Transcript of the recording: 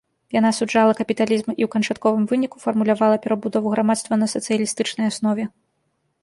Яна асуджала капіталізм і ў канчатковым выніку фармулявала перабудову грамадства на сацыялістычнай аснове.